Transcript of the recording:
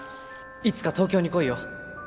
いつか東京に来いよ。